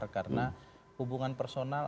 karena hubungan personal